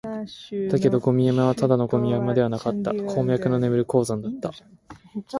だけど、ゴミの山はただのゴミ山ではなかった、鉱脈の眠る鉱山だった